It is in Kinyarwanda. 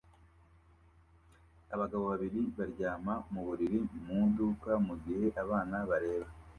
Abagabo babiri baryama mu buriri mu iduka mugihe abana bareba